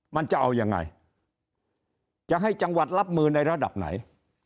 มันจะเอายังไงจะให้จังหวัดรับมือในระดับไหน